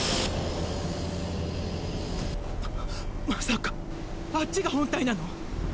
まさかあっちが本体なの？